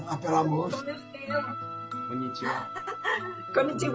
こんにちは。